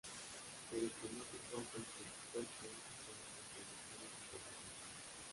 Se desconoce cual fue el presupuesto o las recaudaciones internacionales.